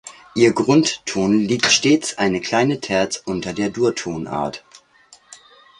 Ihr Grundton liegt stets eine kleine Terz unter der Durtonart.